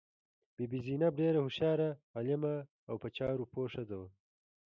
بي بي زینب ډېره هوښیاره، عالمه او په چارو پوه ښځه وه.